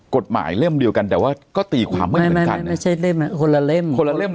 กฎหมายเล่มเดียวกันแต่ว่าก็ตีความไม่เหมือนกันไม่ไม่ไม่ไม่ใช่เล่มคนละเล่ม